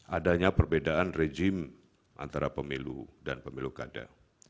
adanya perbedaan rejim antara pemilu dan pemilu kada